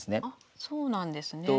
あっそうなんですね。